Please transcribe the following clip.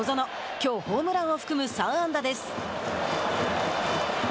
きょうホームランを含む３安打です。